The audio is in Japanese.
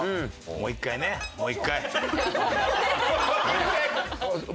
もう１回ねもう１回。